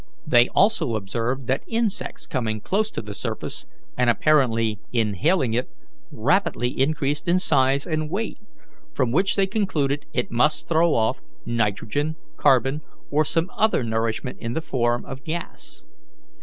They also observed that insects coming close to the surface and apparently inhaling it, rapidly increased in size and weight, from which they concluded it must throw off nitrogen, carbon, or some other nourishment in the form of gas.